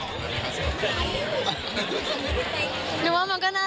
หรือว่ามันก็น่ารักเองนะคะ